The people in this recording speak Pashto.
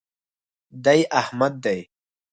دی احمد دئ.